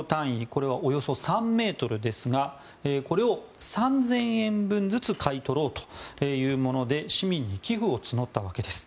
これは、およそ３ｍですがこれを３０００円分ずつ買い取ろうというもので市民に寄付を募ったわけです。